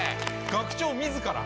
学長自ら？